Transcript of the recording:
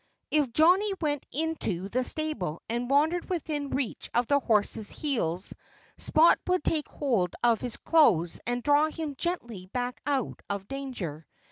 If Johnnie went into the stable and wandered within reach of the horses' heels Spot would take hold of his clothes and draw him gently back out of danger.